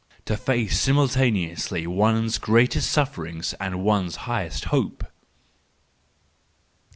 —To face simultaneously one's greatest suffering and one's highest hope.